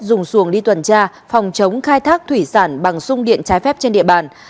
dùng xuồng đi tuần tra phòng chống khai thác thủy sản bằng sung điện trái phép trên địa bàn